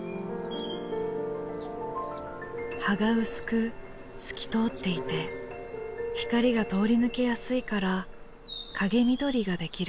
葉が薄く透き通っていて光が通り抜けやすいから影みどりができる。